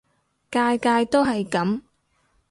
屆屆都係噉